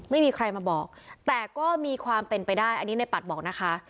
ไม่มีใครมาบอกแต่ก็มีความเป็นไปได้อันนี้ในปัดบอกนะคะ